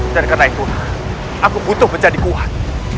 dan karena itulah aku butuh menjadi kuat